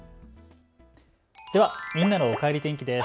ではみんなのおかえり天気です。